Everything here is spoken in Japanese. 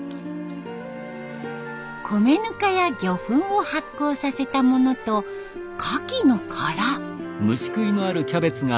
米ぬかや魚粉を発酵させたものとカキの殻。